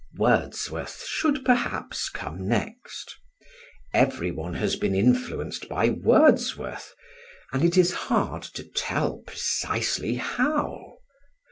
Wordsworth should perhaps come next. Every one has been influenced by Wordsworth, and it is hard to tell precisely how.